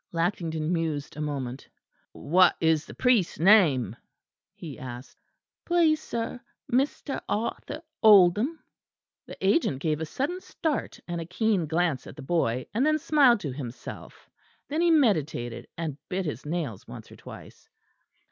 Lackington mused a moment. "What is the priest's name?" he asked. "Please, sir, Mr. Arthur Oldham." The agent gave a sudden start and a keen glance at the boy, and then smiled to himself; then he meditated, and bit his nails once or twice.